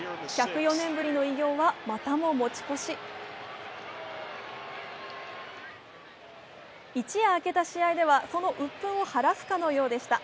１０４年ぶりの偉業はまたも持ち越し一夜明けた試合ではそのうっぷんを晴らすかのようでした。